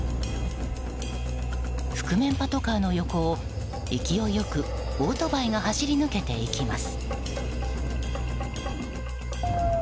覆面パトカーの横を勢いよくオートバイが走り抜けていきます。